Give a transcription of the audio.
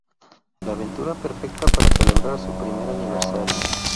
La aventura perfecta para celebrar su primer aniversario.